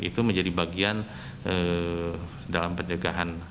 itu menjadi bagian dalam pencegahan